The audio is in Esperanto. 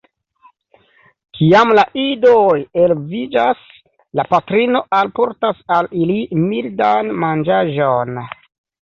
Kiam la idoj eloviĝas la patrino alportas al ili mildan manĝaĵon.